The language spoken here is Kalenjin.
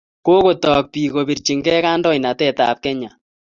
kogotoi biik kobirchinigei kandoinotetab Kenya